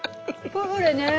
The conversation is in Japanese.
プフレね。